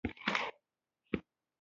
ستاسې هغه ماشین زما کارټ سره ستونزه لري.